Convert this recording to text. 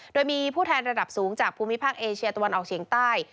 โดยมีผู้แทนระดับสูงจากภูมิภาคเอเชียตะวันออกเฉียงใต้